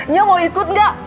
nyak mau ikut gak